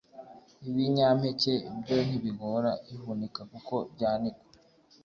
ibinyampeke byo ntibigora ihunika kuko byanikwa,